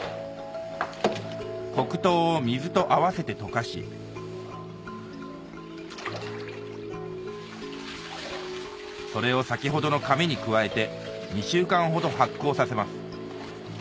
黒糖を水と合わせて溶かしそれを先ほどのかめに加えて２週間ほど発酵させます